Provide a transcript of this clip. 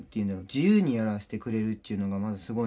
自由にやらせてくれるというのがまずすごいなと思って。